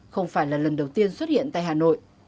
không phải là lần đầu tiên xuất hiện tại hà nội